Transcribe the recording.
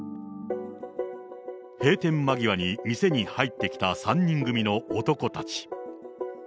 閉店間際に店に入ってきた３人組の男たち。